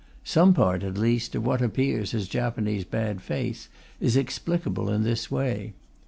Some part, at least, of what appears as Japanese bad faith is explicable in this way.